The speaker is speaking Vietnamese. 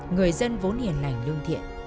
người dân vốn hiền lành lương thiện